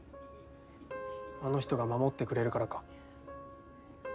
あの人が守ってくれるからか。